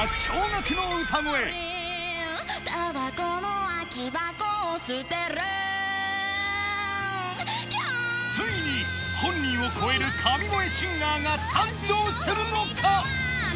煙草の空き箱を捨てるついに本人を超える神声シンガーが誕生するのか？